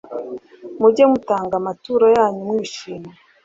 Mujye mutanga amaturo yanyu mwishimye